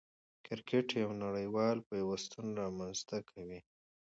کرکټ یو نړۍوال پیوستون رامنځ ته کوي.